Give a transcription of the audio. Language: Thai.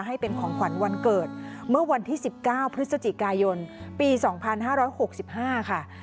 ให้เป็นของขวัญวันเกิดเมื่อวันที่๑๙พฤศจิกายนปี๒๕๖๕ค่ะ